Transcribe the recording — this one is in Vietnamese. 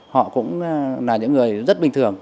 họ cũng là những người rất bình thường